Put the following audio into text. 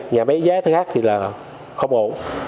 nhà máy giá thế khác thì là không ổ